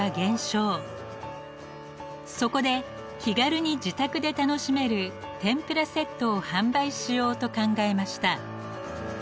そこで気軽に自宅で楽しめる天ぷらセットを販売しようと考えました。